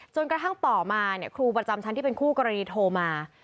จนกระทั่งต่อมาครูประจำชั้นที่เป็นคู่กรณีโทรมา